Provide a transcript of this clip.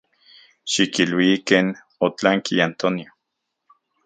Xikilui ken otlanki Antonio.